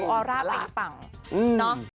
ออร่าเป็นปังเนาะ